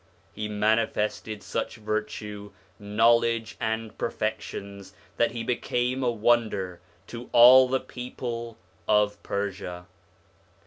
He manifested such virtue, knowledge, and perfections, that he became a wonder to all the people of Persia.